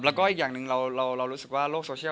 แล้วก็อีกอย่างหนึ่งเรารู้สึกว่าโลกโซเชียล